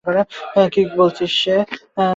কী বলছিল সে?